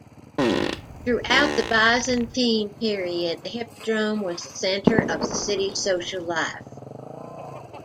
Throughout the Byzantine period, the Hippodrome was the centre of the city's social life.